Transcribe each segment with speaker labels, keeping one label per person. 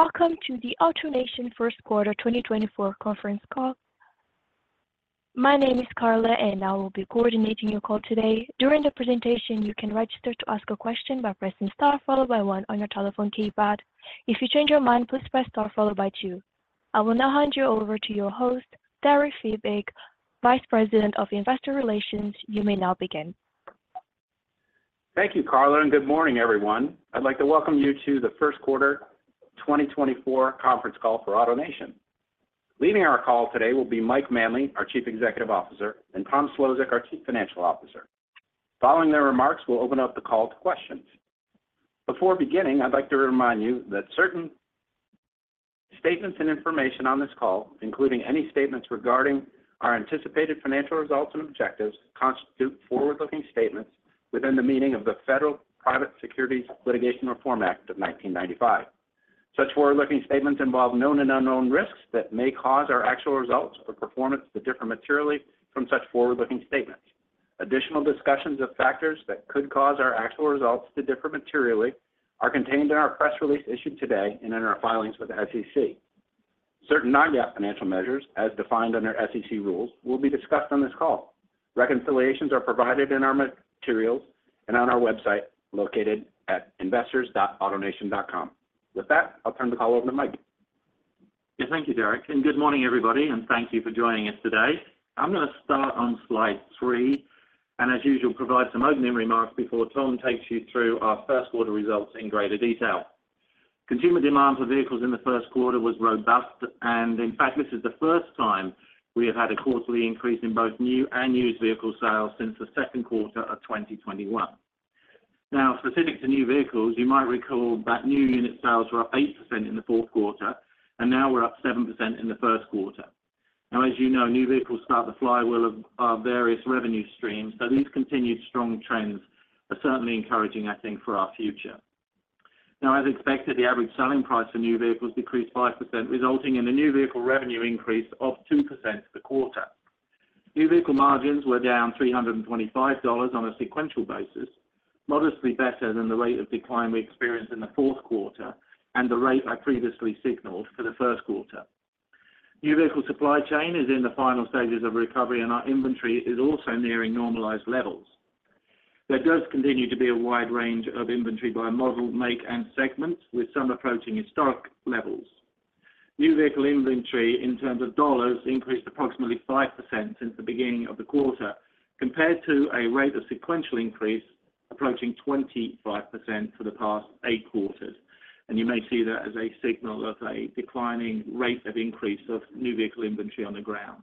Speaker 1: Welcome to the AutoNation First Quarter 2024 conference call. My name is Carla, and I will be coordinating your call today. During the presentation, you can register to ask a question by pressing Star followed by one on your telephone keypad. If you change your mind, please press Star followed by two. I will now hand you over to your host, Derek Fiebig, Vice President of Investor Relations. You may now begin.
Speaker 2: Thank you, Carla, and good morning, everyone. I'd like to welcome you to the first quarter 2024 conference call for AutoNation. Leading our call today will be Mike Manley, our Chief Executive Officer, and Tom Szlosek, our Chief Financial Officer. Following their remarks, we'll open up the call to questions. Before beginning, I'd like to remind you that certain statements and information on this call, including any statements regarding our anticipated financial results and objectives, constitute forward-looking statements within the meaning of the Private Securities Litigation Reform Act of 1995. Such forward-looking statements involve known and unknown risks that may cause our actual results or performance to differ materially from such forward-looking statements. Additional discussions of factors that could cause our actual results to differ materially are contained in our press release issued today and in our filings with the SEC. Certain non-GAAP financial measures, as defined under SEC rules, will be discussed on this call. Reconciliations are provided in our materials and on our website, located at investors.autonation.com. With that, I'll turn the call over to Mike.
Speaker 3: Yeah, thank you, Derek, and good morning, everybody, and thank you for joining us today. I'm gonna start on slide 3, and as usual, provide some opening remarks before Tom takes you through our first quarter results in greater detail. Consumer demand for vehicles in the first quarter was robust, and in fact, this is the first time we have had a quarterly increase in both new and used vehicle sales since the second quarter of 2021. Now, specific to new vehicles, you might recall that new unit sales were up 8% in the fourth quarter, and now we're up 7% in the first quarter. Now, as you know, new vehicles start the flywheel of our various revenue streams, so these continued strong trends are certainly encouraging, I think, for our future. Now, as expected, the average selling price for new vehicles decreased 5%, resulting in a new vehicle revenue increase of 2% for the quarter. New vehicle margins were down $325 on a sequential basis, modestly better than the rate of decline we experienced in the fourth quarter and the rate I previously signaled for the first quarter. New vehicle supply chain is in the final stages of recovery, and our inventory is also nearing normalized levels. There does continue to be a wide range of inventory by model, make, and segments, with some approaching historic levels. New vehicle inventory, in terms of dollars, increased approximately 5% since the beginning of the quarter, compared to a rate of sequential increase approaching 25% for the past eight quarters. You may see that as a signal of a declining rate of increase of new vehicle inventory on the ground.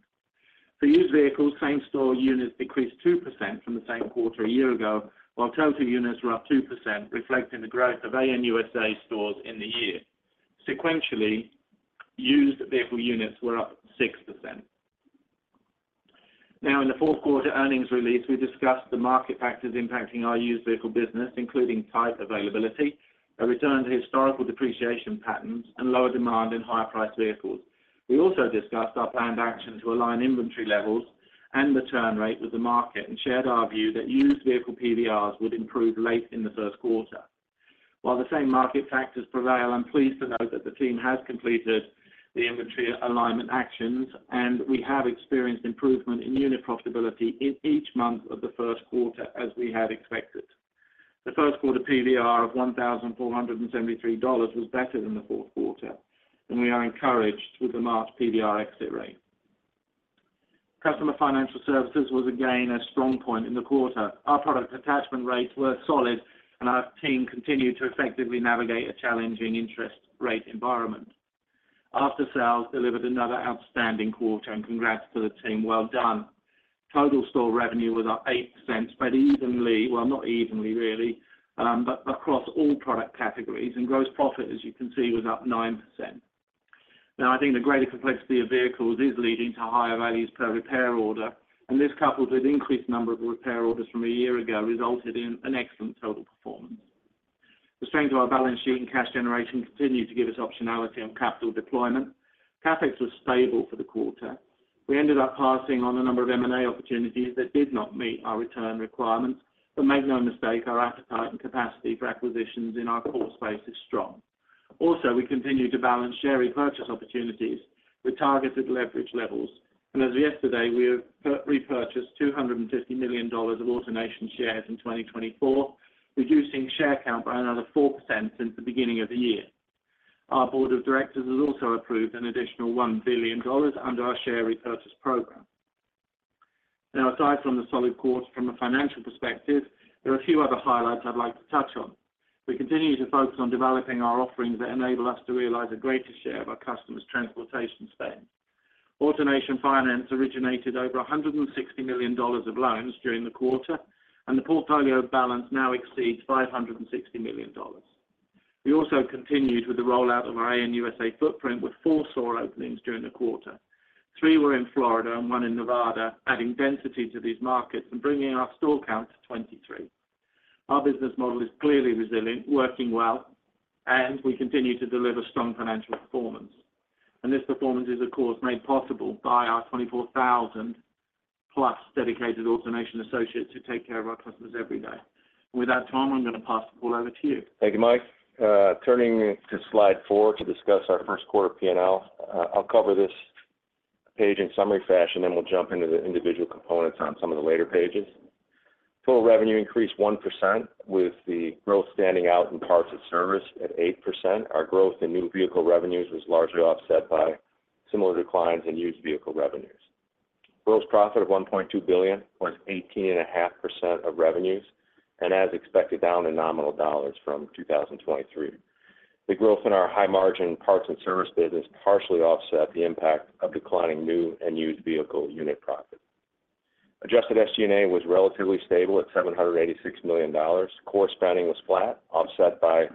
Speaker 3: For used vehicles, same-store units decreased 2% from the same quarter a year ago, while total units were up 2%, reflecting the growth of AN USA stores in the year. Sequentially, used vehicle units were up 6%. Now, in the fourth quarter earnings release, we discussed the market factors impacting our used vehicle business, including type availability, a return to historical depreciation patterns, and lower demand in higher-priced vehicles. We also discussed our planned action to align inventory levels and the turn rate with the market, and shared our view that used vehicle PVRs would improve late in the first quarter. While the same market factors prevail, I'm pleased to note that the team has completed the inventory alignment actions, and we have experienced improvement in unit profitability in each month of the first quarter, as we had expected. The first quarter PVR of $1,473 was better than the fourth quarter, and we are encouraged with the March PVR exit rate. Customer financial services was again a strong point in the quarter. Our product attachment rates were solid, and our team continued to effectively navigate a challenging interest rate environment. After-sales delivered another outstanding quarter, and congrats to the team. Well done. Total store revenue was up 8%, spread evenly... well, not evenly, really, but across all product categories, and gross profit, as you can see, was up 9%. Now, I think the greater complexity of vehicles is leading to higher values per repair order, and this, coupled with increased number of repair orders from a year ago, resulted in an excellent total performance. The strength of our balance sheet and cash generation continued to give us optionality on capital deployment. CapEx was stable for the quarter. We ended up passing on a number of M&A opportunities that did not meet our return requirements, but make no mistake, our appetite and capacity for acquisitions in our core space is strong. Also, we continue to balance share repurchase opportunities with targeted leverage levels, and as of yesterday, we have repurchased $250 million of AutoNation shares in 2024, reducing share count by another 4% since the beginning of the year. Our board of directors has also approved an additional $1 billion under our share repurchase program. Now, aside from the solid quarter, from a financial perspective, there are a few other highlights I'd like to touch on. We continue to focus on developing our offerings that enable us to realize a greater share of our customers' transportation spend. AutoNation Finance originated over $160 million of loans during the quarter, and the portfolio balance now exceeds $560 million. We also continued with the rollout of our AN USA footprint, with four store openings during the quarter. Three were in Florida and one in Nevada, adding density to these markets and bringing our store count to 23. Our business model is clearly resilient, working well, and we continue to deliver strong financial performance. This performance is, of course, made possible by our 24,000+ dedicated AutoNation associates who take care of our customers every day. With that, Tom, I'm going to pass the call over to you.
Speaker 4: Thank you, Mike. Turning to slide four to discuss our first quarter P&L. I'll cover this page in summary fashion, then we'll jump into the individual components on some of the later pages. Total revenue increased 1%, with the growth standing out in parts and service at 8%. Our growth in new vehicle revenues was largely offset by similar declines in used vehicle revenues. Gross profit of $1.2 billion was 18.5% of revenues, and as expected, down in nominal dollars from 2023. The growth in our high-margin parts and service business partially offset the impact of declining new and used vehicle unit profit. Adjusted SG&A was relatively stable at $786 million. Core spending was flat, offset by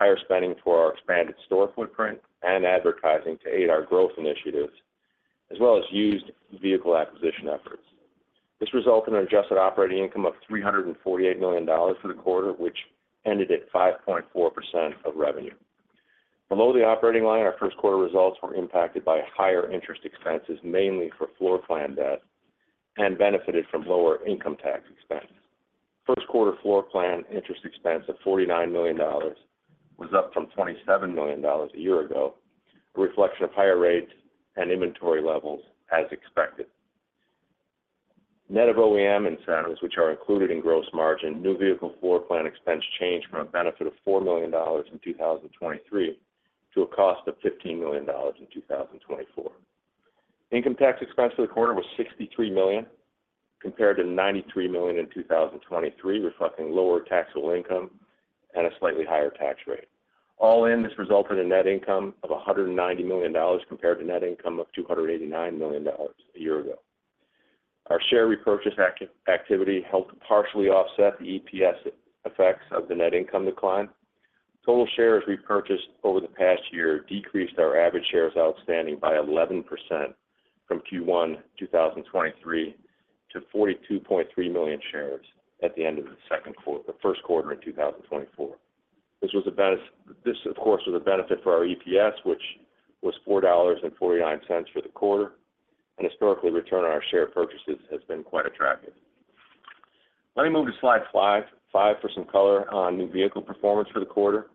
Speaker 4: higher spending for our expanded store footprint and advertising to aid our growth initiatives, as well as used vehicle acquisition efforts. This resulted in an adjusted operating income of $348 million for the quarter, which ended at 5.4% of revenue. Below the operating line, our first quarter results were impacted by higher interest expenses, mainly for floor plan debt, and benefited from lower income tax expense. First quarter floor plan interest expense of $49 million was up from $27 million a year ago, a reflection of higher rates and inventory levels, as expected. Net of OEM incentives, which are included in gross margin, new vehicle floor plan expense changed from a benefit of $4 million in 2023 to a cost of $15 million in 2024. Income tax expense for the quarter was $63 million, compared to $93 million in 2023, reflecting lower taxable income and a slightly higher tax rate. All in, this resulted in net income of $190 million compared to net income of $289 million a year ago. Our share repurchase activity helped partially offset the EPS effects of the net income decline. Total shares repurchased over the past year decreased our average shares outstanding by 11% from Q1 2023 to 42.3 million shares at the end of the first quarter in 2024. This was a benefit. This, of course, was a benefit for our EPS, which was $4.49 for the quarter. And historically, return on our share purchases has been quite attractive. Let me move to slide 5 for some color on new vehicle performance for the quarter.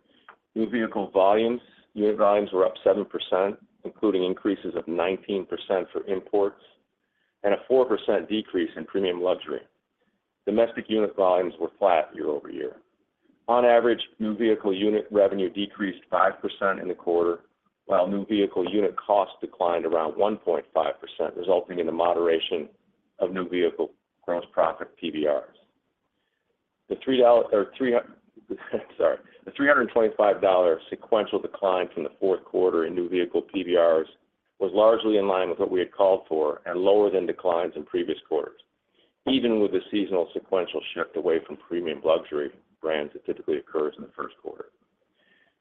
Speaker 4: New vehicle volumes, unit volumes were up 7%, including increases of 19% for imports and a 4% decrease in premium luxury. Domestic unit volumes were flat year-over-year. On average, new vehicle unit revenue decreased 5% in the quarter, while new vehicle unit cost declined around 1.5%, resulting in the moderation of new vehicle gross profit PVRs. The $325 sequential decline from the fourth quarter in new vehicle PVRs was largely in line with what we had called for and lower than declines in previous quarters, even with the seasonal sequential shift away from premium luxury brands that typically occurs in the first quarter.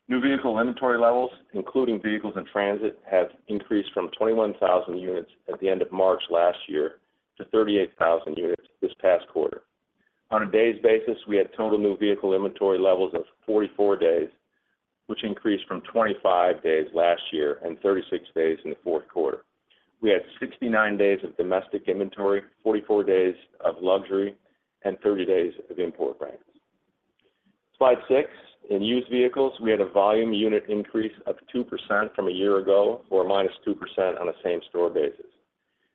Speaker 4: New vehicle inventory levels, including vehicles in transit, have increased from 21,000 units at the end of March last year to 38,000 units this past quarter. On a days basis, we had total new vehicle inventory levels of 44 days, which increased from 25 days last year and 36 days in the fourth quarter. We had 69 days of domestic inventory, 44 days of luxury, and 30 days of import brands. Slide six. In used vehicles, we had a volume unit increase of 2% from a year ago or -2% on a same-store basis.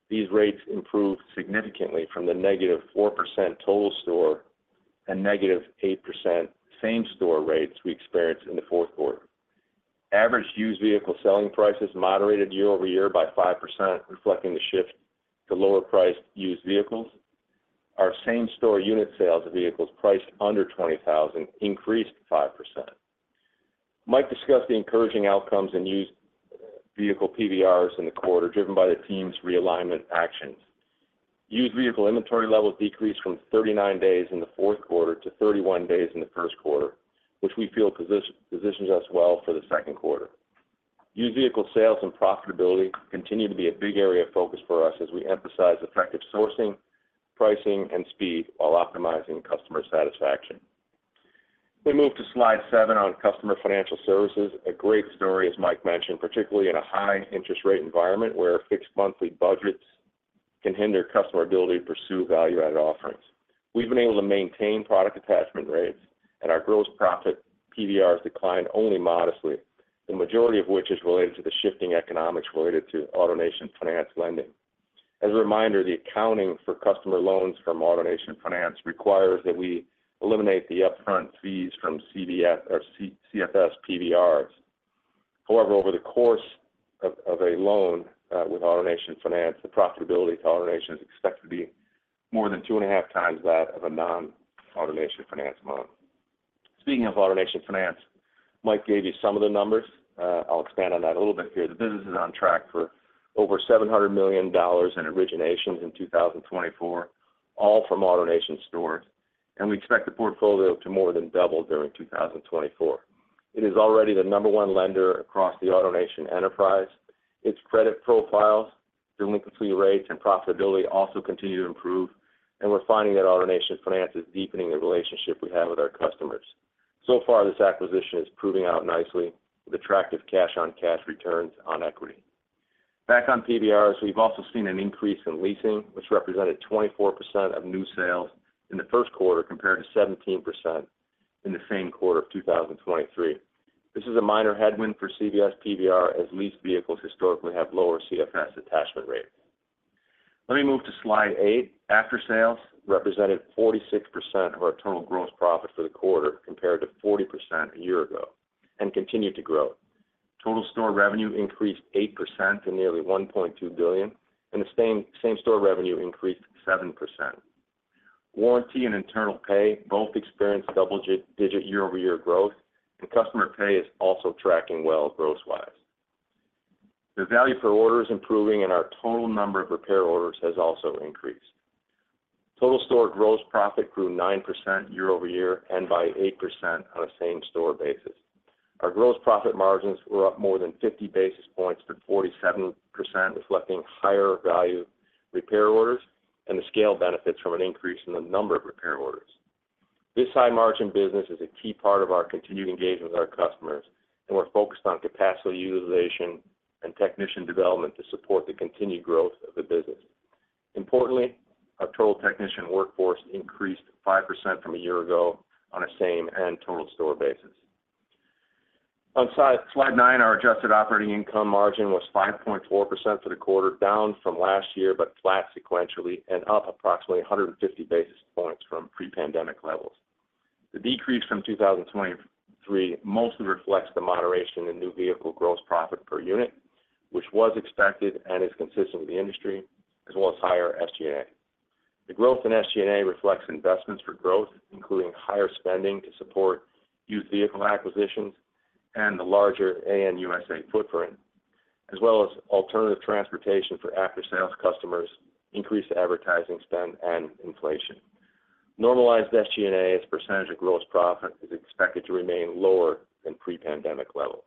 Speaker 4: These rates improved significantly from the -4% total store and -8% same-store rates we experienced in the fourth quarter. Average used vehicle selling prices moderated year over year by 5%, reflecting the shift to lower-priced used vehicles. Our same-store unit sales of vehicles priced under $20,000 increased 5%. Mike discussed the encouraging outcomes in used vehicle PVRs in the quarter, driven by the team's realignment actions. Used vehicle inventory levels decreased from 39 days in the fourth quarter to 31 days in the first quarter, which we feel positions us well for the second quarter. Used vehicle sales and profitability continue to be a big area of focus for us as we emphasize effective sourcing, pricing, and speed while optimizing customer satisfaction. We move to slide 7 on customer financial services. A great story, as Mike mentioned, particularly in a high interest rate environment, where fixed monthly budgets can hinder customer ability to pursue value-added offerings. We've been able to maintain product attachment rates, and our gross profit PVRs declined only modestly, the majority of which is related to the shifting economics related to AutoNation Finance lending. As a reminder, the accounting for customer loans from AutoNation Finance requires that we eliminate the upfront fees from CFS PVRs. However, over the course of a loan with AutoNation Finance, the profitability to AutoNation is expected to be more than two and a half times that of a non-AutoNation Finance loan. Speaking of AutoNation Finance, Mike gave you some of the numbers. I'll expand on that a little bit here. The business is on track for over $700 million in originations in 2024, all from AutoNation stores, and we expect the portfolio to more than double during 2024. It is already the number one lender across the AutoNation enterprise. Its credit profiles, delinquency rates, and profitability also continue to improve, and we're finding that AutoNation Finance is deepening the relationship we have with our customers. So far, this acquisition is proving out nicely with attractive cash on cash returns on equity. Back on PVRs, we've also seen an increase in leasing, which represented 24% of new sales in the first quarter, compared to 17% in the same quarter of 2023. This is a minor headwind for CFS PVR, as leased vehicles historically have lower CFS attachment rate. Let me move to Slide 8. Aftersales represented 46% of our total gross profit for the quarter, compared to 40% a year ago, and continued to grow. Total store revenue increased 8% to nearly $1.2 billion, and the same-store revenue increased 7%. Warranty and internal pay both experienced double-digit year-over-year growth, and customer pay is also tracking well gross-wise. The value per order is improving, and our total number of repair orders has also increased. Total store gross profit grew 9% year-over-year and by 8% on a same-store basis. Our gross profit margins were up more than 50 basis points to 47%, reflecting higher value repair orders and the scale benefits from an increase in the number of repair orders. This high-margin business is a key part of our continued engagement with our customers, and we're focused on capacity utilization and technician development to support the continued growth of the business. Importantly, our total technician workforce increased 5% from a year ago on a same and total store basis. On slide 9, our adjusted operating income margin was 5.4% for the quarter, down from last year, but flat sequentially and up approximately 150 basis points from pre-pandemic levels. The decrease from 2023 mostly reflects the moderation in new vehicle gross profit per unit, which was expected and is consistent with the industry, as well as higher SG&A. The growth in SG&A reflects investments for growth, including higher spending to support used vehicle acquisitions and the larger AN USA footprint, as well as alternative transportation for after-sales customers, increased advertising spend, and inflation. Normalized SG&A as a percentage of gross profit is expected to remain lower than pre-pandemic levels.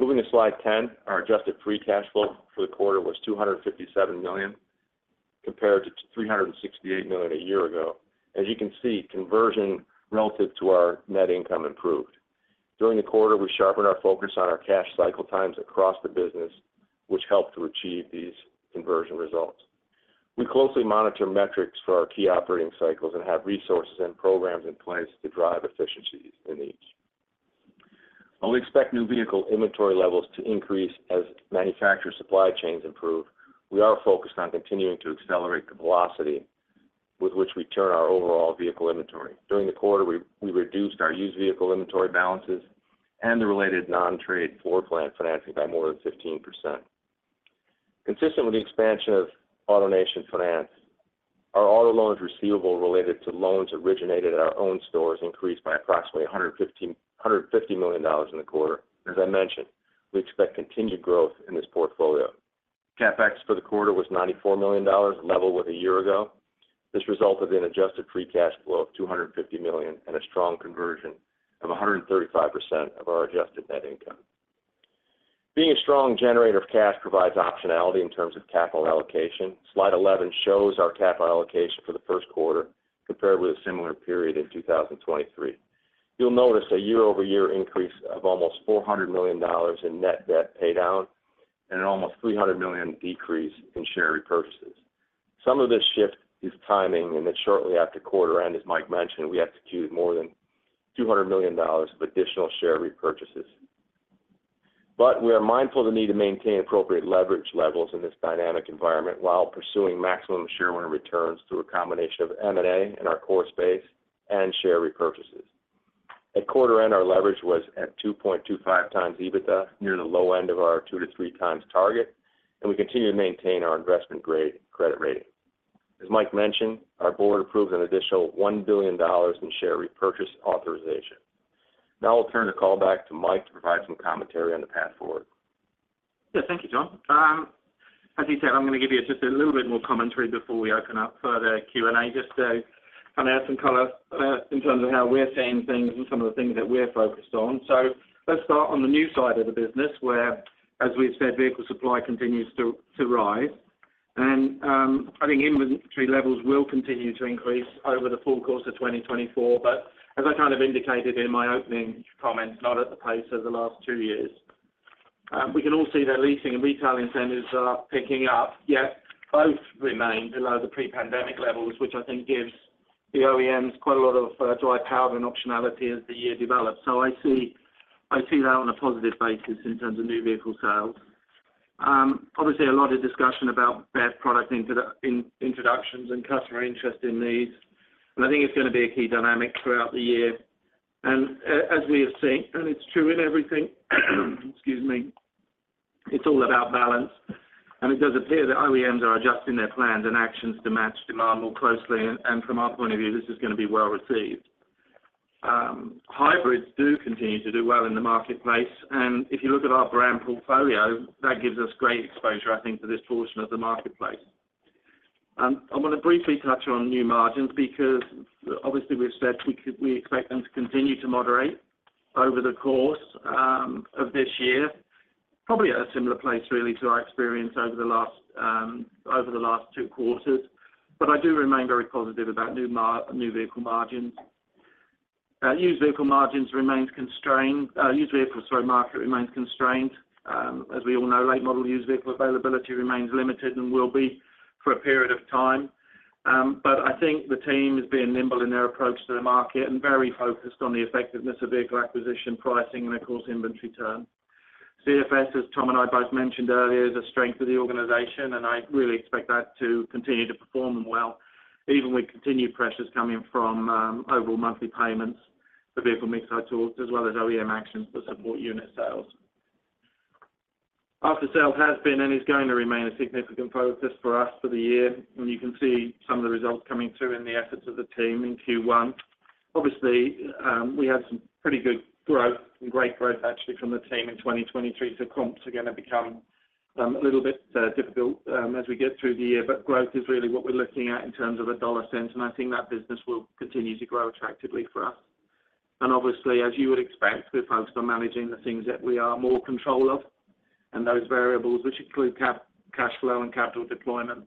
Speaker 4: Moving to slide 10, our Adjusted Free Cash Flow for the quarter was $257 million, compared to $368 million a year ago. As you can see, conversion relative to our net income improved. During the quarter, we sharpened our focus on our cash cycle times across the business, which helped to achieve these conversion results. We closely monitor metrics for our key operating cycles and have resources and programs in place to drive efficiencies in each. While we expect new vehicle inventory levels to increase as manufacturer supply chains improve, we are focused on continuing to accelerate the velocity with which we turn our overall vehicle inventory. During the quarter, we reduced our used vehicle inventory balances and the related non-trade floorplan financing by more than 15%. Consistent with the expansion of AutoNation Finance, our auto loans receivable related to loans originated at our own stores increased by approximately $150 million in the quarter. As I mentioned, we expect continued growth in this portfolio. CapEx for the quarter was $94 million, level with a year ago. This resulted in adjusted free cash flow of $250 million and a strong conversion of 135% of our adjusted net income. Being a strong generator of cash provides optionality in terms of capital allocation. Slide 11 shows our capital allocation for the first quarter compared with a similar period in 2023. You'll notice a year-over-year increase of almost $400 million in net debt paydown and an almost $300 million decrease in share repurchases. Some of this shift is timing, and it's shortly after quarter end. As Mike mentioned, we executed more than $200 million of additional share repurchases. But we are mindful of the need to maintain appropriate leverage levels in this dynamic environment while pursuing maximum shareholder returns through a combination of M&A in our core space and share repurchases. At quarter end, our leverage was at 2.25x EBITDA, near the low end of our 2-3x target, and we continue to maintain our investment-grade credit rating. As Mike mentioned, our board approved an additional $1 billion in share repurchase authorization. Now I'll turn the call back to Mike to provide some commentary on the path forward.
Speaker 3: Yeah, thank you, Tom. As you said, I'm going to give you just a little bit more commentary before we open up for the Q&A, just to kind of add some color, in terms of how we're seeing things and some of the things that we're focused on. So let's start on the new side of the business, where, as we've said, vehicle supply continues to rise. And, I think inventory levels will continue to increase over the full course of 2024, but as I kind of indicated in my opening comments, not at the pace of the last two years. We can all see that leasing and retail incentives are picking up, yet both remain below the pre-pandemic levels, which I think gives the OEMs quite a lot of dry powder and optionality as the year develops. So I see, I see that on a positive basis in terms of new vehicle sales. Obviously, a lot of discussion about best product introductions and customer interest in these, and I think it's going to be a key dynamic throughout the year. As we have seen, and it's true in everything, excuse me, it's all about balance, and it does appear that OEMs are adjusting their plans and actions to match demand more closely, and from our point of view, this is going to be well received. Hybrids do continue to do well in the marketplace, and if you look at our brand portfolio, that gives us great exposure, I think, to this portion of the marketplace. I want to briefly touch on new margins because obviously, we've said we expect them to continue to moderate over the course of this year. Probably at a similar place really to our experience over the last two quarters. But I do remain very positive about new vehicle margins. Used vehicle margins remains constrained. Used vehicle, sorry, market remains constrained. As we all know, late model used vehicle availability remains limited and will be for a period of time. But I think the team has been nimble in their approach to the market and very focused on the effectiveness of vehicle acquisition pricing and, of course, inventory turn. CFS, as Tom and I both mentioned earlier, is a strength of the organization, and I really expect that to continue to perform well, even with continued pressures coming from overall monthly payments, the vehicle mix I talked, as well as OEM actions to support unit sales. After-sales has been and is going to remain a significant focus for us for the year, and you can see some of the results coming through in the efforts of the team in Q1. Obviously, we had some pretty good growth, and great growth actually from the team in 2023. So comps are going to become a little bit difficult as we get through the year. But growth is really what we're looking at in terms of a dollar sense, and I think that business will continue to grow attractively for us. Obviously, as you would expect, we're focused on managing the things that we are more in control of and those variables, which include cash flow and capital deployment.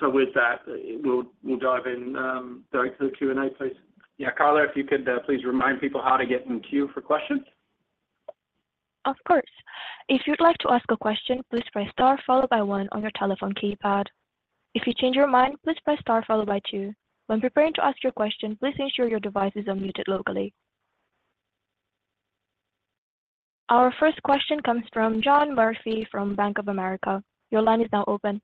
Speaker 3: So with that, we'll dive in, Derek, to the Q&A, please.
Speaker 2: Yeah. Carla, if you could, please remind people how to get in queue for questions.
Speaker 1: Of course. If you'd like to ask a question, please press star, followed by one on your telephone keypad. If you change your mind, please press star followed by two. When preparing to ask your question, please ensure your device is unmuted locally. Our first question comes from John Murphy from Bank of America. Your line is now open.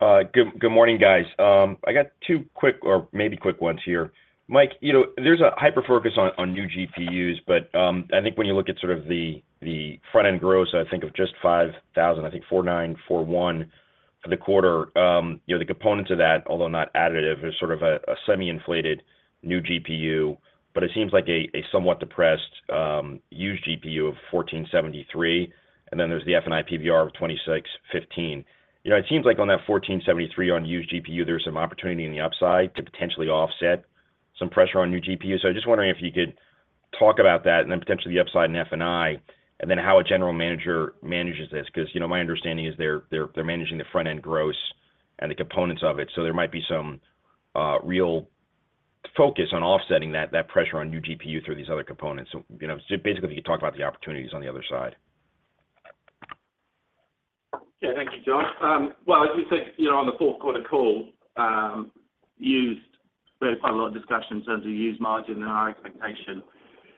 Speaker 5: Good morning, guys. I got two quick or maybe quick ones here. Mike, you know, there's a hyper focus on new GPUs, but I think when you look at sort of the front-end gross, I think it's just $5,000, I think $4,941 for the quarter. You know, the components of that, although not additive, is sort of a semi-inflated new GPU, but it seems like a somewhat depressed used GPU of $1,473. And then there's the F&I PVR of $2,615. You know, it seems like on that $1,473 on used GPU, there's some opportunity in the upside to potentially offset some pressure on new GPU. So I'm just wondering if you could talk about that and then potentially the upside in F&I, and then how a general manager manages this? Because, you know, my understanding is they're managing the front-end gross and the components of it. So there might be some real focus on offsetting that pressure on new GPU through these other components. So, you know, so basically, if you could talk about the opportunities on the other side.
Speaker 3: Yeah. Thank you, John. Well, as we said, you know, on the fourth quarter call, used, there was quite a lot of discussion in terms of used margin and our expectation.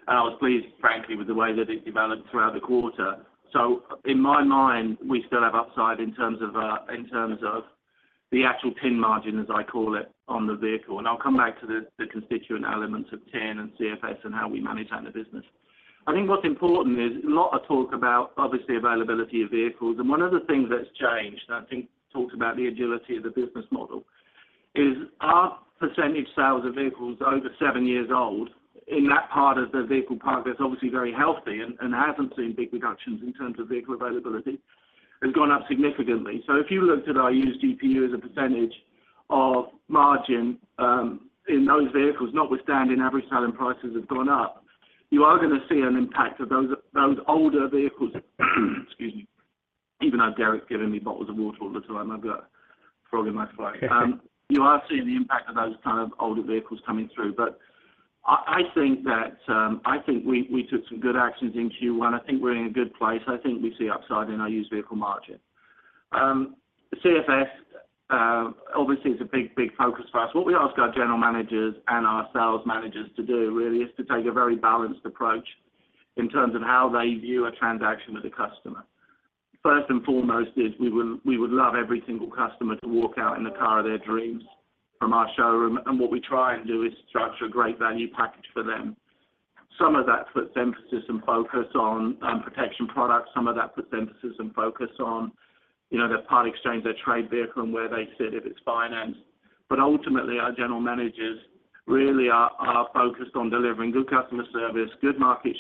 Speaker 3: And I was pleased, frankly, with the way that it developed throughout the quarter. So in my mind, we still have upside in terms of in terms of the actual tin margin, as I call it, on the vehicle. And I'll come back to the constituent elements of tin and CFS and how we manage that in the business. I think what's important is a lot of talk about, obviously, availability of vehicles. And one of the things that's changed, and I think talked about the agility of the business model, is our percentage sales of vehicles over seven years old in that part of the vehicle park that's obviously very healthy and hasn't seen big reductions in terms of vehicle availability, has gone up significantly. So if you looked at our used GPU as a percentage of margin, in those vehicles, notwithstanding average selling prices have gone up, you are going to see an impact of those older vehicles. Excuse me. Even though Derek giving me bottles of water all the time, I've got a frog in my throat. You are seeing the impact of those kind of older vehicles coming through. But I think that, I think we took some good actions in Q1. I think we're in a good place. I think we see upside in our used vehicle margin. CFS, obviously, is a big, big focus for us. What we ask our general managers and our sales managers to do, really, is to take a very balanced approach in terms of how they view a transaction with a customer. First and foremost is we would, we would love every single customer to walk out in the car of their dreams from our showroom, and what we try and do is structure a great value package for them. Some of that puts emphasis and focus on protection products. Some of that puts emphasis and focus on, you know, their part exchange, their trade vehicle, and where they sit, if it's financed. But ultimately, our general managers really are focused on delivering good customer service, good market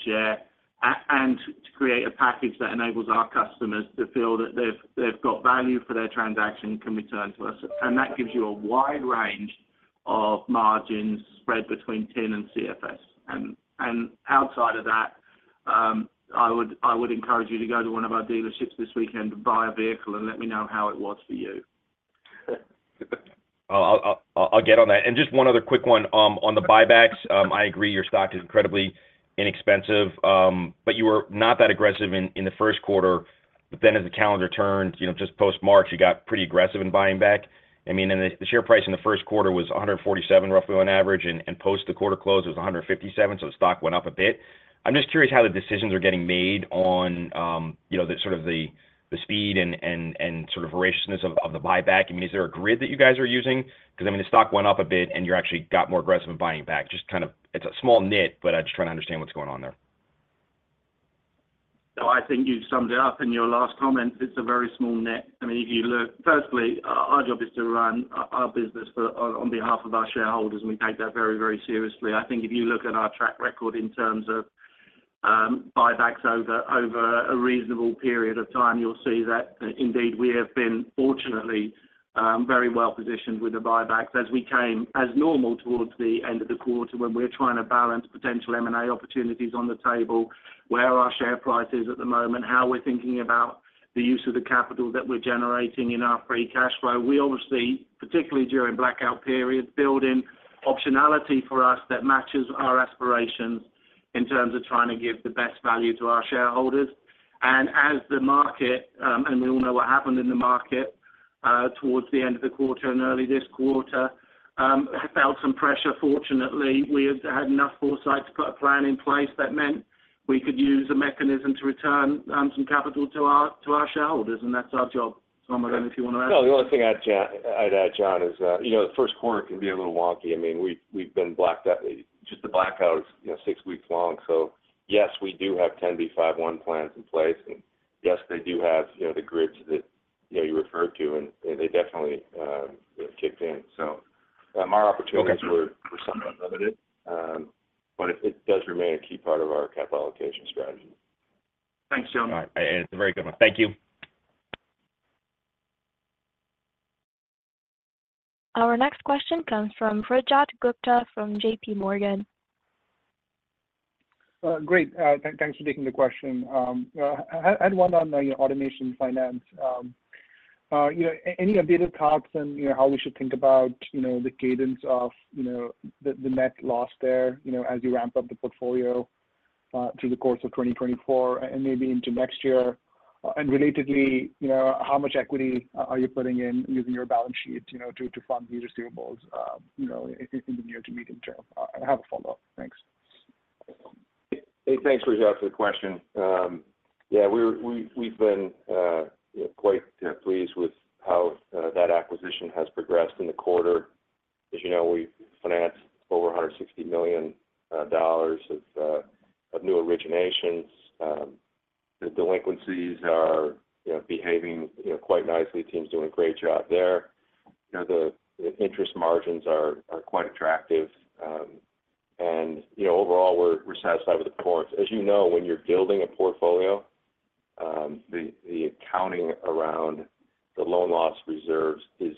Speaker 3: share, and to create a package that enables our customers to feel that they've got value for their transaction can return to us. And that gives you a wide range of margins spread between tin and CFS. And outside of that, I would encourage you to go to one of our dealerships this weekend and buy a vehicle and let me know how it was for you.
Speaker 5: I'll get on that. And just one other quick one, on the buybacks. I agree, your stock is incredibly inexpensive, but you were not that aggressive in the first quarter. But then as the calendar turned, you know, just post-March, you got pretty aggressive in buying back. I mean, and the share price in the first quarter was $147, roughly on average, and post the quarter close, it was $157, so the stock went up a bit. I'm just curious how the decisions are getting made on, you know, the sort of the speed and sort of voraciousness of the buyback. I mean, is there a grid that you guys are using? Because, I mean, the stock went up a bit, and you actually got more aggressive in buying back. Just kind of It's a small nit, but I'm just trying to understand what's going on there.
Speaker 3: So I think you summed it up in your last comment. It's a very small nit. I mean, if you look firstly, our job is to run our business for, on behalf of our shareholders, and we take that very, very seriously. I think if you look at our track record in terms of buybacks over a reasonable period of time, you'll see that indeed, we have been fortunately very well positioned with the buybacks as we came as normal towards the end of the quarter, when we're trying to balance potential M&A opportunities on the table, where our share price is at the moment, how we're thinking about the use of the capital that we're generating in our free cash flow. We obviously, particularly during blackout periods, building optionality for us that matches our aspirations in terms of trying to give the best value to our shareholders. As the market, and we all know what happened in the market, towards the end of the quarter and early this quarter, felt some pressure. Fortunately, we had enough foresight to put a plan in place that meant we could use a mechanism to return some capital to our shareholders, and that's our job. Tom, I don't know if you want to add?
Speaker 4: No, the only thing I'd add, John, is, you know, the first quarter can be a little wonky. I mean, we've been blacked out. Just the blackout is, you know, six weeks long. So yes, we do have 10b5-1 plans in place. And yes, they do have, you know, the grids that, you know, you referred to, and they definitely kicked in. So, our opportunities were somewhat limited, but it does remain a key part of our capital allocation strategy.
Speaker 3: Thanks, Tom.
Speaker 4: All right, it's a very good one. Thank you.
Speaker 1: Our next question comes from Rajat Gupta from J.P. Morgan.
Speaker 6: Great. Thanks for taking the question. I had one on the AutoNation Finance. You know, any updated thoughts on, you know, how we should think about, you know, the cadence of, you know, the, the net loss there, you know, as you ramp up the portfolio, through the course of 2024 and maybe into next year? And relatedly, you know, how much equity are you putting in using your balance sheet, you know, to, to fund these receivables, you know, in the near to medium term? I have a follow-up. Thanks.
Speaker 4: Hey, thanks, Rajat, for the question. Yeah, we've been quite pleased with how that acquisition has progressed in the quarter. As you know, we financed over $160 million of new originations. The delinquencies are, you know, behaving, you know, quite nicely. Team's doing a great job there. You know, the interest margins are quite attractive. And, you know, overall, we're satisfied with the performance. As you know, when you're building a portfolio, the accounting around the loan loss reserves is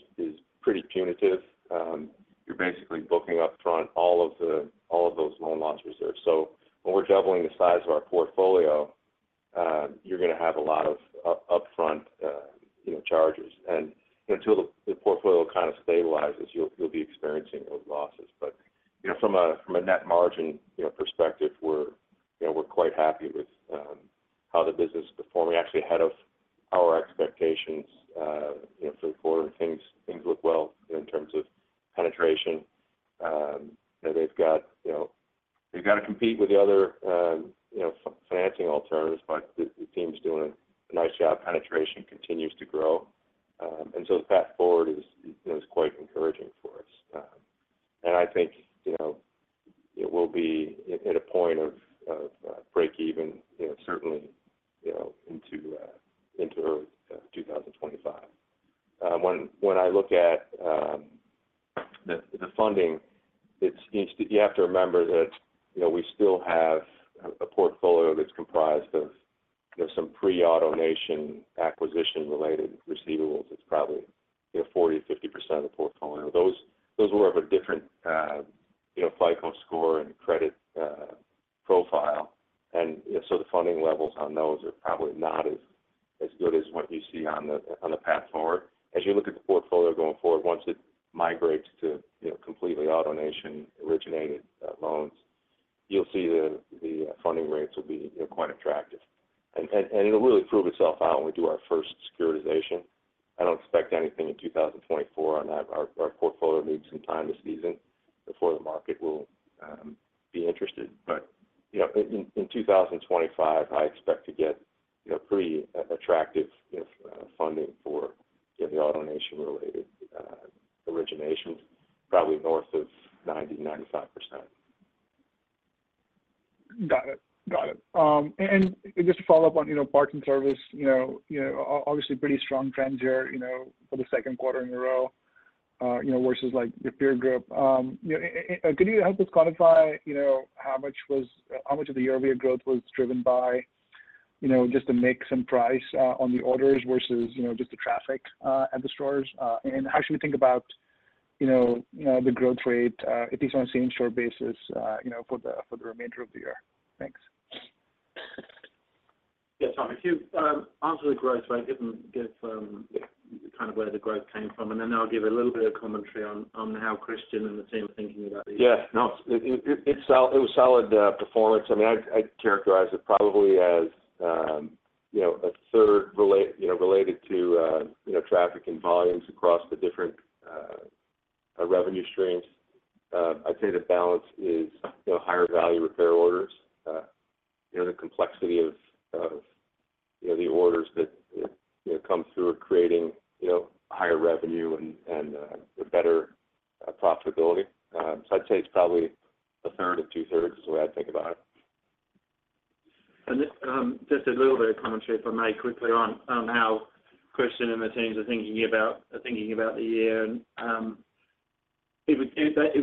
Speaker 4: pretty punitive. You're basically booking upfront all of those loan loss reserves. So when we're doubling the size of our portfolio, you're going to have a lot of upfront charges. You know, until the portfolio kind of stabilizes, you'll be experiencing those losses. But, you know, from a net margin perspective, we're quite happy with how the business is performing, actually ahead of our expectations, you know, for the quarter. Things look well in terms of penetration. They've got to compete with the other financing alternatives, but the team's doing a nice job. Penetration continues to grow. And so the path forward is quite encouraging for us. And I think, you know, it will be at a point of break even, you know, certainly, you know, into early 2025. When I look at the funding, it's—you have to remember that, you know, we still have a portfolio that's comprised of, you know, some pre-AutoNation acquisition-related receivables. It's probably, you know, 40%-50% of the portfolio. Those were of a different, you know, FICO score and credit profile. And so the funding levels on those are probably not as good as what you see on the path forward. As you look at the portfolio going forward, once it migrates to, you know, completely AutoNation-originated loans, you'll see the funding rates will be, you know, quite attractive. And it'll really prove itself out when we do our first securitization. I don't expect anything in 2024, and our portfolio needs some time to season before the market will be interested. But, you know, in 2025, I expect to get, you know, pretty attractive, you know, funding for the AutoNation-related originations, probably north of 90, 95%.
Speaker 6: Got it. Got it. And just to follow up on, you know, parts and service, you know, you know, obviously pretty strong trends here, you know, for the second quarter in a row, versus like your peer group. Can you help us quantify, you know, how much was—how much of the year-over-year growth was driven by, you know, just the mix and price on the orders versus, you know, just the traffic at the stores? And how should we think about, you know, you know, the growth rate, at least on a same-store basis, you know, for the remainder of the year? Thanks.
Speaker 3: Yes, Tom, if you answer the growth rate, give them kind of where the growth came from, and then I'll give a little bit of commentary on how Christian and the team are thinking about it.
Speaker 4: Yes. No, it was solid performance. I mean, I'd characterize it probably as, you know, a third related to, you know, traffic and volumes across the different revenue streams. I'd say the balance is, you know, higher value repair orders, you know, the complexity of the orders that come through are creating, you know, higher revenue and a better profitability. So I'd say it's probably a third to two-thirds is the way I think about it.
Speaker 3: Just a little bit of commentary, if I may, quickly on how Christian and the teams are thinking about the year. It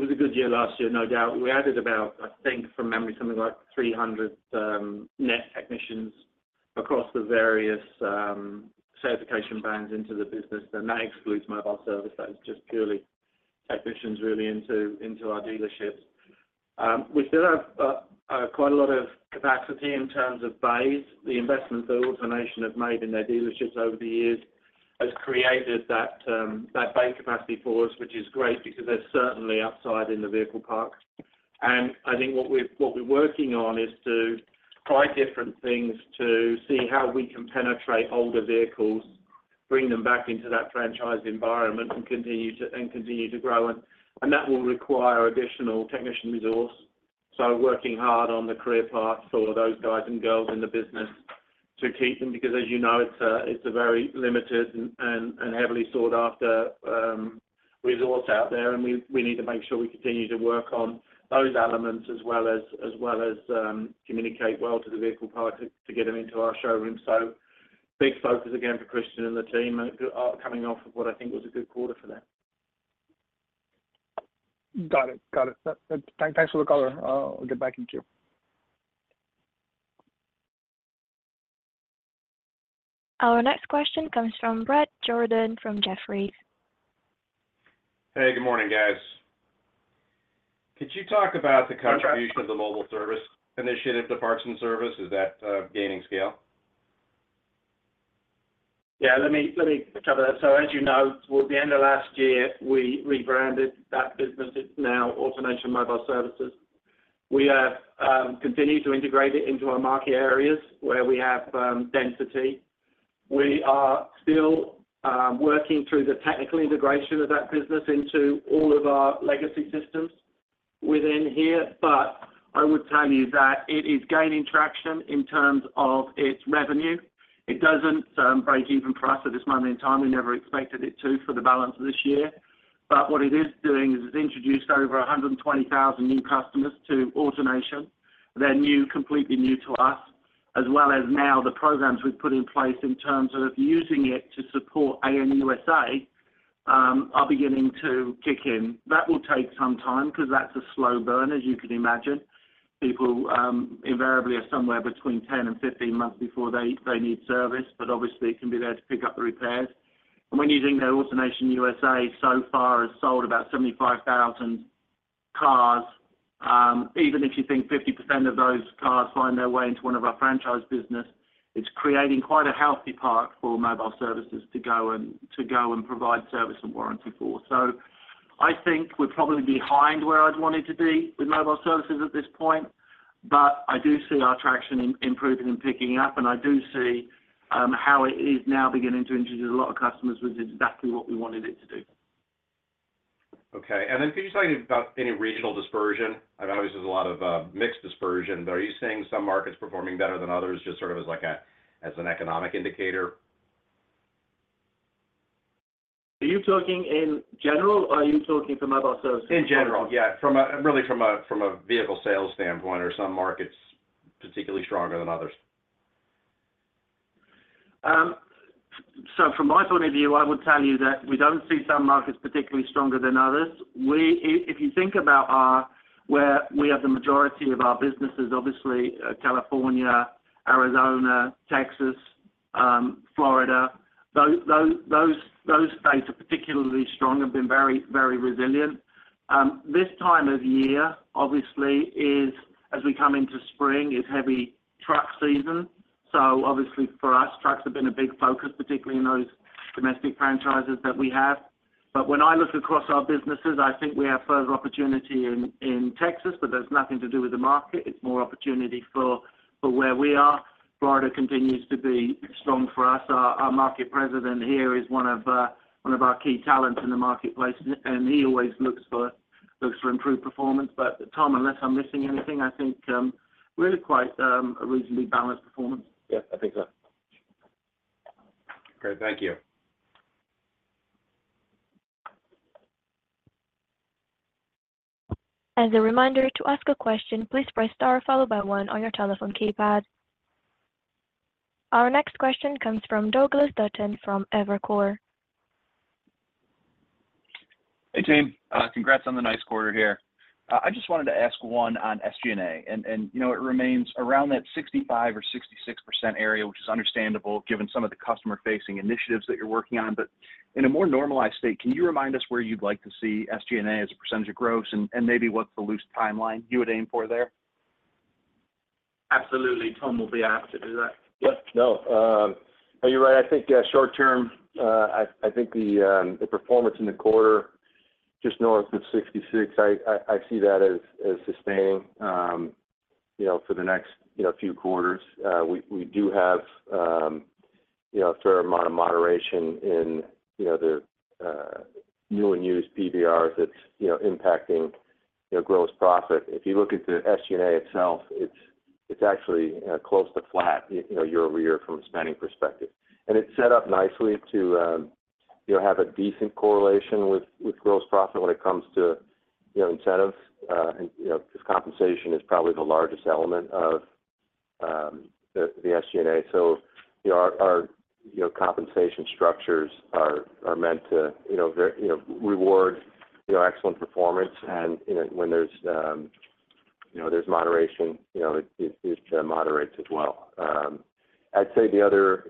Speaker 3: was a good year last year, no doubt. We added about, I think from memory, something like 300 net technicians across the various certification bands into the business, and that excludes mobile service. That is just purely technicians really into our dealerships. We still have quite a lot of capacity in terms of bays. The investments that AutoNation have made in their dealerships over the years has created that bay capacity for us, which is great because they're certainly outside in the vehicle parks. I think what we're working on is to try different things to see how we can penetrate older vehicles, bring them back into that franchise environment, and continue to grow. And that will require additional technician resource. So working hard on the career paths for those guys and girls in the business to keep them, because as you know, it's a very limited and heavily sought after resource out there, and we need to make sure we continue to work on those elements, as well as communicate well to the vehicle owner to get them into our showroom. So big focus again for Christian and the team, coming off of what I think was a good quarter for that.
Speaker 6: Got it. Got it. Thanks, thanks for the call. I'll, I'll get back in queue.
Speaker 1: Our next question comes from Bret Jordan, from Jefferies.
Speaker 7: Hey, good morning, guys. Could you talk about the contribution of the mobile service initiative, the parts and service? Is that gaining scale?
Speaker 3: Yeah, let me, let me cover that. So as you know, toward the end of last year, we rebranded that business. It's now AutoNation Mobile Service. We have continued to integrate it into our market areas where we have density. We are still working through the technical integration of that business into all of our legacy systems within here. But I would tell you that it is gaining traction in terms of its revenue. It doesn't break even for us at this moment in time. We never expected it to for the balance of this year. But what it is doing is it's introduced over 120,000 new customers to AutoNation. They're new, completely new to us, as well as now the programs we've put in place in terms of using it to support AN USA are beginning to kick in. That will take some time because that's a slow burn, as you can imagine. People invariably are somewhere between 10 and 15 months before they, they need service, but obviously it can be there to pick up the repairs. When you think that AutoNation USA, so far, has sold about 75,000 cars, even if you think 50% of those cars find their way into one of our franchise business, it's creating quite a healthy part for mobile services to go and, to go and provide service and warranty for. I think we're probably behind where I'd want it to be with mobile services at this point, but I do see our traction improving and picking up, and I do see how it is now beginning to introduce a lot of customers, which is exactly what we wanted it to do.
Speaker 7: Okay. And then could you tell me about any regional dispersion? I know there's a lot of mixed dispersion, but are you seeing some markets performing better than others, just sort of as like an economic indicator?
Speaker 3: Are you talking in general or are you talking from mobile services?
Speaker 7: In general, yeah. From a vehicle sales standpoint, are some markets particularly stronger than others?
Speaker 3: So from my point of view, I would tell you that we don't see some markets particularly stronger than others. We. If you think about where we have the majority of our businesses, obviously, California, Arizona, Texas, Florida, those states are particularly strong and been very, very resilient. This time of year, obviously, is as we come into spring, is heavy truck season. So obviously for us, trucks have been a big focus, particularly in those domestic franchises that we have. But when I look across our businesses, I think we have further opportunity in Texas, but that's nothing to do with the market. It's more opportunity for where we are. Florida continues to be strong for us. Our market president here is one of our key talents in the marketplace, and he always looks for improved performance. But Tom, unless I'm missing anything, I think really quite a reasonably balanced performance.
Speaker 4: Yeah, I think so.
Speaker 7: Great. Thank you.
Speaker 1: As a reminder, to ask a question, please press Star, followed by one on your telephone keypad. Our next question comes from Douglas Dutton, from Evercore.
Speaker 8: Hey, team, congrats on the nice quarter here. I just wanted to ask one on SG&A, and, and, you know, it remains around that 65% or 66% area, which is understandable, given some of the customer-facing initiatives that you're working on. But in a more normalized state, can you remind us where you'd like to see SG&A as a percentage of gross and, and maybe what's the loose timeline you would aim for there?
Speaker 3: Absolutely. Tom will be happy to do that.
Speaker 4: Yes. No, you're right. I think, short term, I see that as sustaining, you know, for the next, you know, few quarters. We do have, you know, a fair amount of moderation in, you know, the new and used PVRs that's, you know, impacting, you know, gross profit. If you look at the SG&A itself, it's actually close to flat, you know, year-over-year from a spending perspective. And it's set up nicely to, you know, have a decent correlation with gross profit when it comes to, you know, incentives, and, you know, because compensation is probably the largest element of the SG&A. So, you know, our compensation structures are meant to, you know, very reward excellent performance. And, you know, when there's moderation, you know, it moderates as well. I'd say the other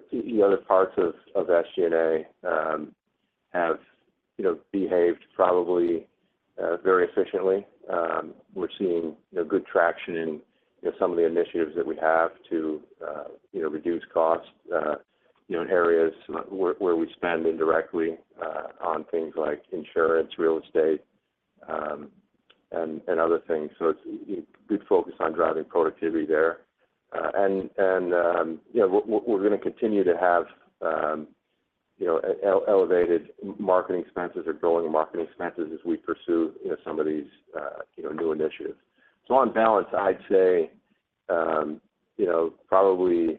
Speaker 4: parts of SG&A have, you know, behaved probably very efficiently. We're seeing, you know, good traction in some of the initiatives that we have to, you know, reduce costs, you know, in areas where we spend indirectly on things like insurance, real estate, and other things. So it's good focus on driving productivity there. And, you know, we're gonna continue to have, you know, elevated marketing expenses or growing marketing expenses as we pursue, you know, some of these, you know, new initiatives. So on balance, I'd say, you know, probably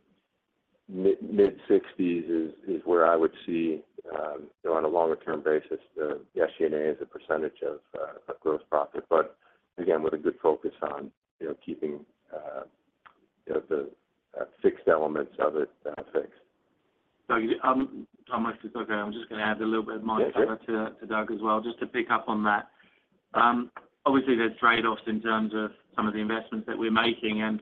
Speaker 4: mid, mid-60s is, is where I would see, you know, on a longer term basis, the, the SG&A as a percentage of, of gross profit. But again, with a good focus on, you know, keeping, you know, the, fixed elements of it, fixed.
Speaker 3: Doug, Tom, if it's okay, I'm just gonna add a little bit of my color-
Speaker 4: Yeah, sure.
Speaker 3: to Doug as well, just to pick up on that. Obviously, there's trade-offs in terms of some of the investments that we're making. And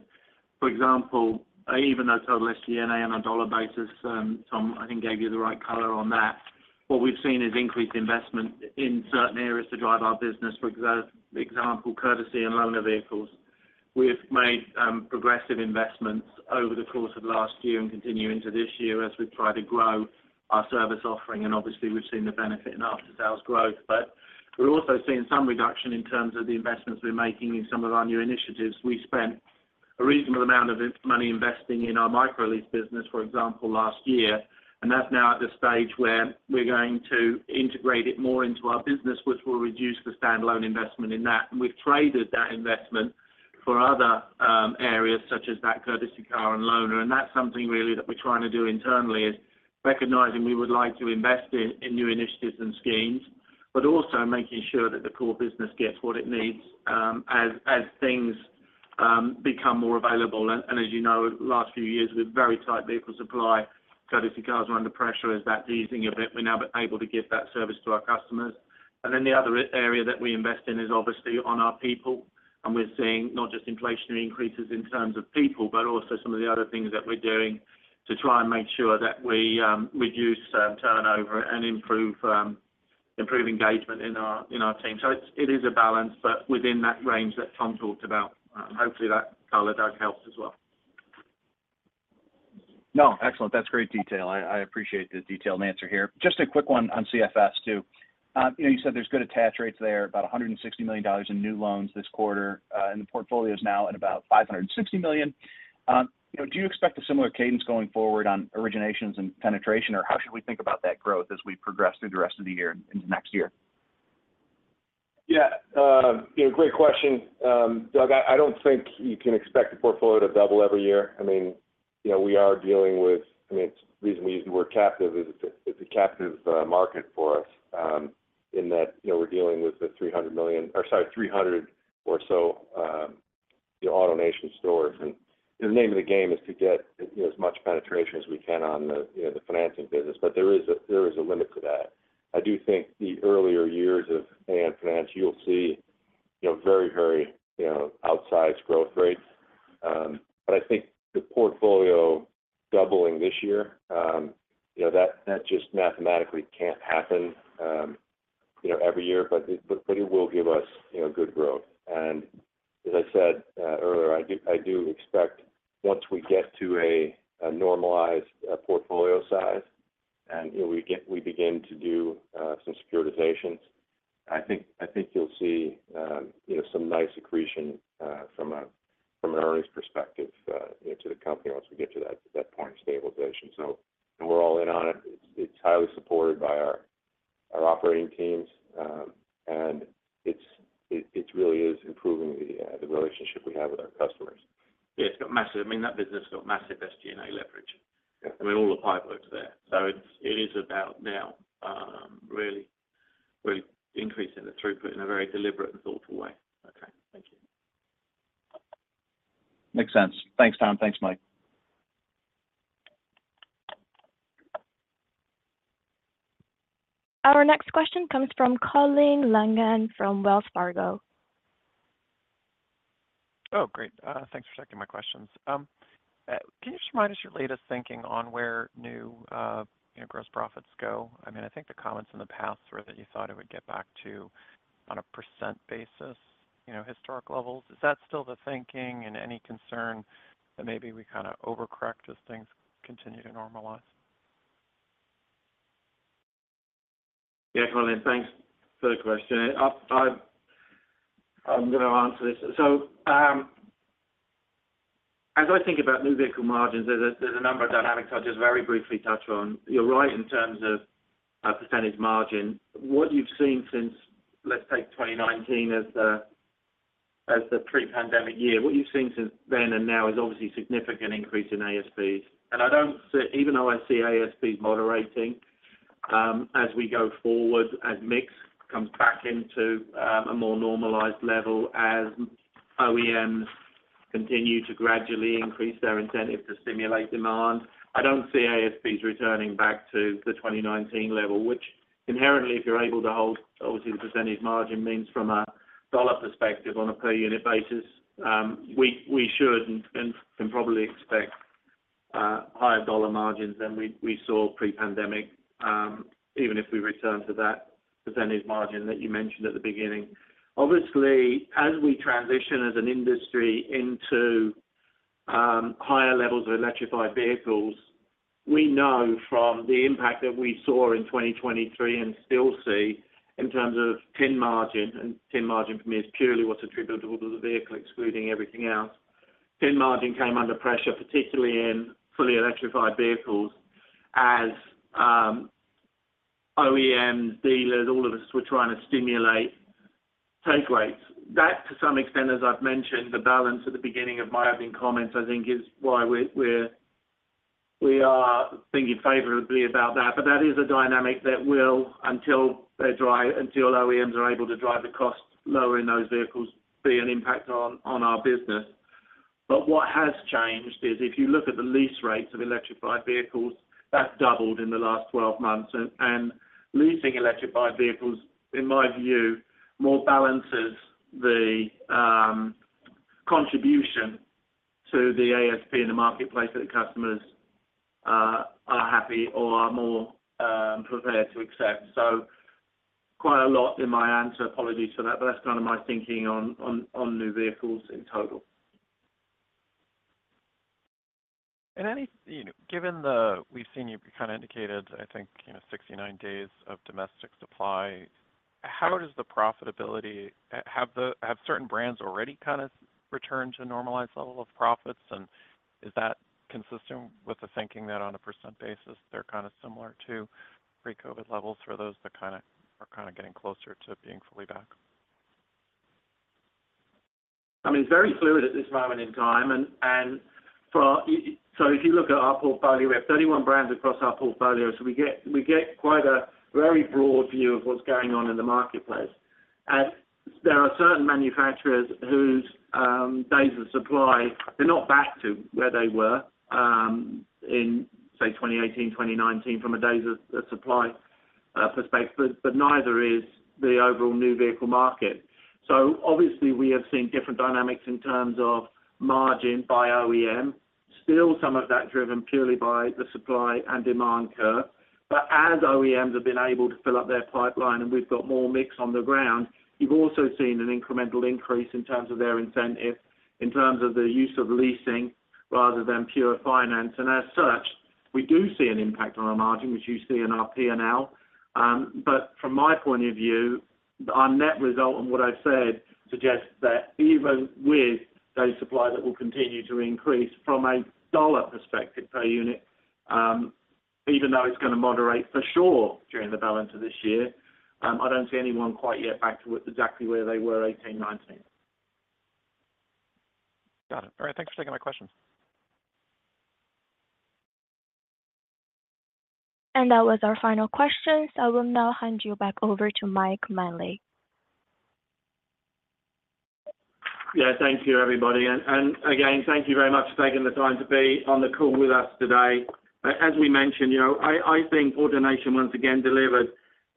Speaker 3: for example, even though total SG&A on a dollar basis, Tom, I think, gave you the right color on that. What we've seen is increased investment in certain areas to drive our business, for example, courtesy and loaner vehicles. We've made progressive investments over the course of last year and continue into this year as we try to grow our service offering, and obviously, we've seen the benefit in after-sales growth. But we're also seeing some reduction in terms of the investments we're making in some of our new initiatives. We spent a reasonable amount of money investing in our microlease business, for example, last year. That's now at the stage where we're going to integrate it more into our business, which will reduce the standalone investment in that. We've traded that investment for other areas such as that courtesy car and loaner. That's something really that we're trying to do internally, is recognizing we would like to invest in new initiatives and schemes, but also making sure that the core business gets what it needs, as things become more available. As you know, last few years, with very tight vehicle supply, courtesy cars were under pressure. As that's easing a bit, we're now able to give that service to our customers. And then the other area that we invest in is obviously on our people, and we're seeing not just inflationary increases in terms of people, but also some of the other things that we're doing to try and make sure that we reduce turnover and improve engagement in our team. So it's a balance, but within that range that Tom talked about. Hopefully, that color, Doug, helps as well.
Speaker 8: No, excellent. That's great detail. I, I appreciate the detailed answer here. Just a quick one on CFS, too. You know, you said there's good attach rates there, about $160 million in new loans this quarter, and the portfolio is now at about $560 million. You know, do you expect a similar cadence going forward on originations and penetration, or how should we think about that growth as we progress through the rest of the year and into next year?
Speaker 4: Yeah, you know, great question. Doug, I don't think you can expect the portfolio to double every year. I mean, you know, we are dealing with... I mean, it's the reason we use the word captive is it's a, it's a captive market for us, in that, you know, we're dealing with the 300 million, or sorry, 300 or so, the AutoNation stores. And the name of the game is to get as much penetration as we can on the, you know, the financing business, but there is a limit to that. I do think the earlier years of AN Finance, you'll see, you know, very, very, you know, outsized growth rates. But I think the portfolio doubling this year, you know, that just mathematically can't happen, you know, every year, but it will give us, you know, good growth. And as I said earlier, I do expect once we get to a normalized portfolio size, and you know, we begin to do some securitizations, I think you'll see, you know, some nice accretion from an earnings perspective, you know, to the company once we get to that point of stabilization. So and we're all in on it. It's highly supported by our operating teams. And it really is improving the relationship we have with our customers.
Speaker 3: Yeah, it's got massive I mean, that business has got massive SG&A leverage.
Speaker 4: Yeah.
Speaker 3: I mean, all the pipework's there. So it is about now, really, really increasing the throughput in a very deliberate and thoughtful way.
Speaker 8: Okay, thank you. Makes sense. Thanks, Tom. Thanks, Mike.
Speaker 1: Our next question comes from Colin Langan from Wells Fargo.
Speaker 9: Oh, great. Thanks for taking my questions. Can you just remind us your latest thinking on where new, you know, gross profits go? I mean, I think the comments in the past were that you thought it would get back to, on a percent basis, you know, historic levels. Is that still the thinking and any concern that maybe we kind of over-correct as things continue to normalize?
Speaker 3: Yeah, Colin, thanks for the question. I, I'm gonna answer this. So, as I think about new vehicle margins, there's a number of dynamics I'll just very briefly touch on. You're right in terms of percentage margin. What you've seen since, let's take 2019 as the pre-pandemic year, what you've seen since then and now is obviously a significant increase in ASPs. And I don't see, even though I see ASPs moderating. As we go forward, as mix comes back into a more normalized level, as OEMs continue to gradually increase their incentive to stimulate demand, I don't see ASPs returning back to the 2019 level, which inherently, if you're able to hold 18% margin, means from a dollar perspective on a per unit basis, we should and can probably expect higher dollar margins than we saw pre-pandemic, even if we return to that percentage margin that you mentioned at the beginning. Obviously, as we transition as an industry into higher levels of electrified vehicles, we know from the impact that we saw in 2023 and still see in terms of Tin margin, and Tin margin for me is purely what's attributable to the vehicle, excluding everything else. Tin Margin came under pressure, particularly in fully electrified vehicles, as OEMs, dealers, all of us were trying to stimulate take rates. That, to some extent, as I've mentioned, the balance at the beginning of my opening comments, I think is why we are thinking favorably about that. But that is a dynamic that will, until OEMs are able to drive the cost lower in those vehicles, be an impact on our business. But what has changed is if you look at the lease rates of electrified vehicles, that's doubled in the last 12 months, and leasing electrified vehicles, in my view, more balances the contribution to the ASP in the marketplace, that the customers are happy or are more prepared to accept. So quite a lot in my answer. Apologies for that, but that's kind of my thinking on new vehicles in total.
Speaker 9: You know, given the, we've seen you kind of indicated, I think, you know, 69 days of domestic supply, how does the profitability have the... Have certain brands already kind of returned to normalized level of profits? And is that consistent with the thinking that on a percent basis, they're kind of similar to pre-COVID levels for those that kind of- are kind of getting closer to being fully back?
Speaker 3: I mean, it's very fluid at this moment in time, and for our... So if you look at our portfolio, we have 31 brands across our portfolio, so we get quite a very broad view of what's going on in the marketplace. There are certain manufacturers whose days of supply, they're not back to where they were in, say, 2018, 2019, from a days of supply perspective, but neither is the overall new vehicle market. So obviously, we have seen different dynamics in terms of margin by OEM. Still some of that driven purely by the supply and demand curve. But as OEMs have been able to fill up their pipeline and we've got more mix on the ground, you've also seen an incremental increase in terms of their incentive, in terms of the use of leasing rather than pure finance. As such, we do see an impact on our margin, which you see in our P&L. But from my point of view, our net result on what I've said suggests that even with those suppliers, that will continue to increase from a dollar perspective per unit, even though it's going to moderate for sure during the balance of this year, I don't see anyone quite yet back to exactly where they were 2018, 2019.
Speaker 9: Got it. All right. Thanks for taking my question.
Speaker 1: That was our final questions. I will now hand you back over to Mike Manley.
Speaker 3: Yeah, thank you, everybody. And again, thank you very much for taking the time to be on the call with us today. As we mentioned, you know, I think AutoNation, once again, delivered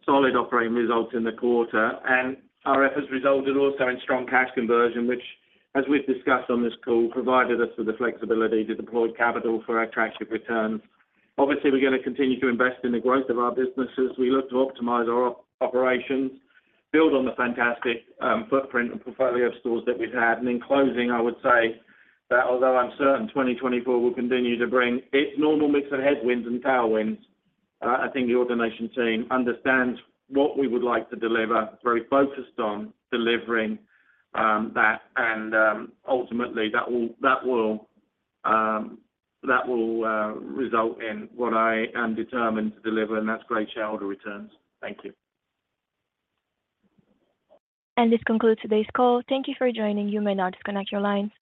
Speaker 3: solid operating results in the quarter, and our efforts resulted also in strong cash conversion, which, as we've discussed on this call, provided us with the flexibility to deploy capital for attractive returns. Obviously, we're going to continue to invest in the growth of our businesses. We look to optimize our operations, build on the fantastic footprint and portfolio of stores that we've had. And in closing, I would say that although I'm certain 2024 will continue to bring its normal mix of headwinds and tailwinds, I think the AutoNation team understands what we would like to deliver. It's very focused on delivering that and ultimately that will result in what I am determined to deliver, and that's great shareholder returns. Thank you.
Speaker 1: This concludes today's call. Thank you for joining. You may now disconnect your lines.